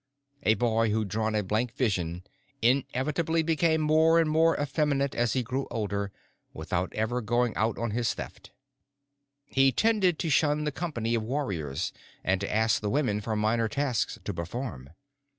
A boy who'd drawn a blank vision inevitably became more and more effeminate as he grew older without ever going out on his Theft. He tended to shun the company of warriors and to ask the women for minor tasks to perform.